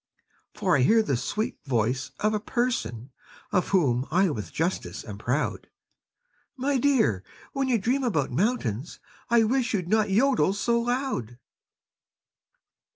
For I hear the sweet voice of a "person" Of whom I with justice am proud, "_My dear, when you dream about mountains, I wish you'd not jodel so loud!